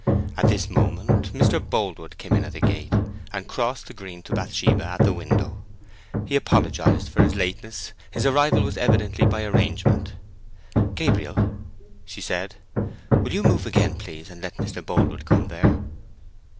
At this moment Mr. Boldwood came in at the gate, and crossed the green to Bathsheba at the window. He apologized for his lateness: his arrival was evidently by arrangement. "Gabriel," said she, "will you move again, please, and let Mr. Boldwood come there?"